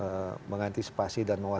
tentu orang akan mengantisipasi dan mewasmati